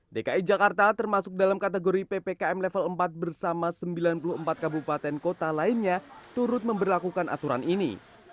dki jakarta termasuk dalam kategori ppkm level empat bersama sembilan puluh empat kabupaten kota lainnya turut memperlakukan aturan ini